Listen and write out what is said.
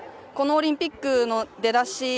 このオリンピックの出だし